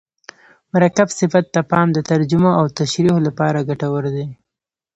مرکب صفت ته پام د ترجمو او تشریحو له پاره ګټور دئ.